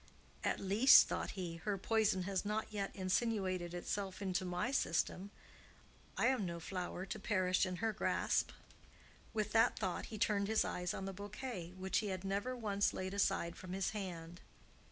"At least," thought he, "her poison has not yet insinuated itself into my system. I am no flower to perish in her grasp." With that thought he turned his eyes on the bouquet, which he had never once laid aside from his hand.